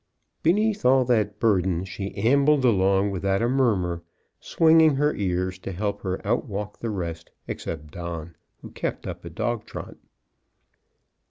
Beneath all that burden, she ambled along without a murmur, swinging her ears to help her outwalk the rest, except Don, who kept up a dog trot.